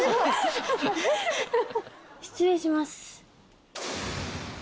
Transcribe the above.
失礼します。